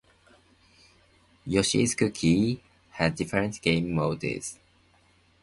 "Yoshi's Cookie" has different game modes.